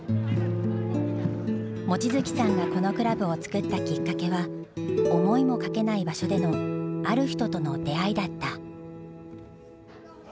望月さんがこのクラブを作ったきっかけは思いもかけない場所での“ある人”との出会いだった。